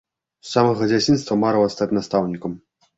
З самага дзяцінства марыла стаць настаўнікам.